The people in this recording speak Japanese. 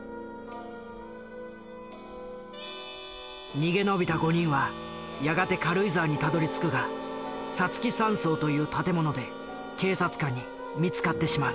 逃げ延びた５人はやがて軽井沢にたどりつくがさつき山荘という建物で警察官に見つかってしまう。